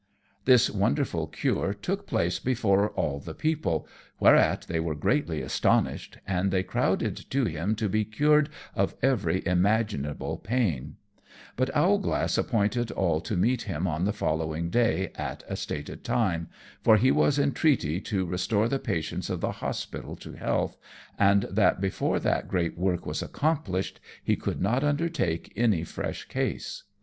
This wonderful cure took place before all the people, whereat they were greatly astonished, and they crowded to him to be cured of every imaginable pain; but Owlglass appointed all to meet him on the following day, at a stated time, for he was in treaty to restore the patients of the hospital to health, and that before that great work was accomplished, he could not undertake any fresh case.